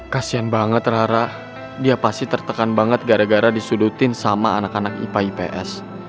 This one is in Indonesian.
kasian banget rahara dia pasti tertekan banget gara gara disudutin sama anak anak ipa ips